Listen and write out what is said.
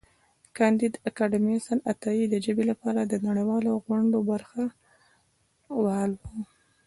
کانديد اکاډميسن عطايي د ژبې لپاره د نړیوالو غونډو برخه وال و.